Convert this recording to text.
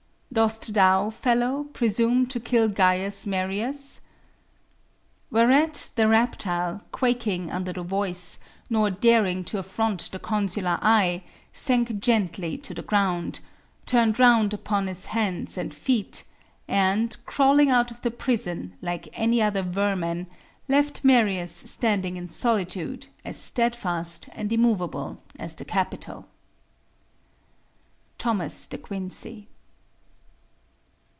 _" "Dost thou, fellow, presume to kill Caius Marius?" Whereat, the reptile, quaking under the voice, nor daring to affront the consular eye, sank gently to the ground turned round upon his hands and feet and, crawling out of the prison like any other vermin, left Marius standing in solitude as steadfast and immovable as the capitol. THOMAS DE QUINCY.